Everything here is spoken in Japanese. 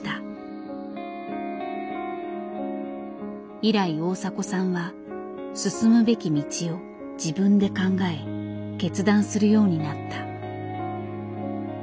以来大迫さんは進むべき道を自分で考え決断するようになった。